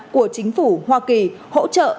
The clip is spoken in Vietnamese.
của chính phủ hoa kỳ hỗ trợ